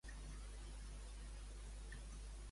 Quan va tancar els ulls amb força?